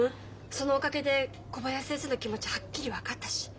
そのおかげで小林先生の気持ちはっきり分かったし。